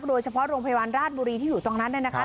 โดยเฉพาะโรงพยาบาลราชบุรีที่อยู่ตรงนั้นได้นะคะ